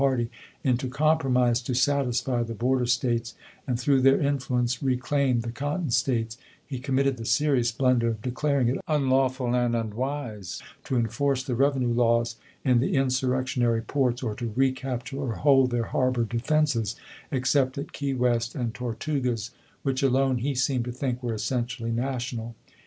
party into compromise to satisfy the border States and through their influence reclaim the Cotton States, he committed the serious blunder of declar ing it unlawful and unwise to enforce the revenue laws in the insurrectionary ports or to recapture or hold their harbor defenses, except at Key West and Tortugas, which alone, he seemed to think, were "essentially national."